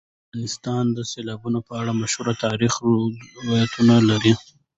افغانستان د سیلابونو په اړه مشهور تاریخی روایتونه لري.